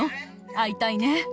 会いたいね。